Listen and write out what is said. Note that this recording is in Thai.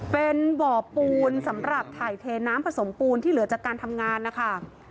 เป็นบ่อปูนสำหรับถ่ายเทน้ำผสมปูนที่เหลือจากการทำงานนะคะ